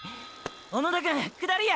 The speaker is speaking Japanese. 小野田くん下りや！